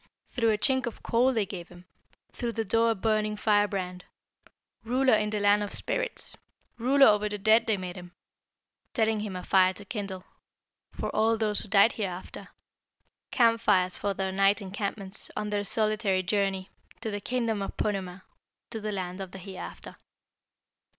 Through a chink a coal they gave him, Through the door a burning fire brand. Ruler in the Land of Spirits, Ruler o'er the dead they made him, Telling him a fire to kindle For all those who died hereafter, Camp fires for their night encampments, On their solitary journey To the kingdom of Ponemah, To the land of the hereafter.'"